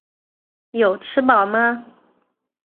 有吃饱吗？